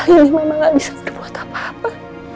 kali ini mama gak bisa berbuat apa apa